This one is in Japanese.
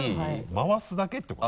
回すだけってこと？